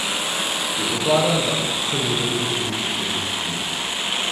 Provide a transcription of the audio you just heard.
Je pokládán za "za otce moderního pojišťovnictví".